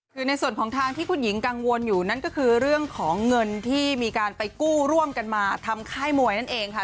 คือในส่วนของทางที่คุณหญิงกังวลอยู่นั่นก็คือเรื่องของเงินที่มีการไปกู้ร่วมกันมาทำค่ายมวยนั่นเองค่ะ